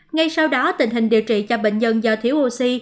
ngay sau đó tình hình điều trị cho bệnh nhân do thiếu oxy